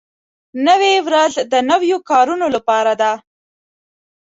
نوې ورځ د نویو کارونو لپاره ده